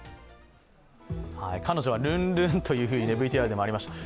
彼女はルンルンとＶＴＲでもありました。